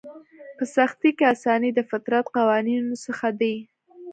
په سختي کې اساني د فطرت قوانینو څخه دی.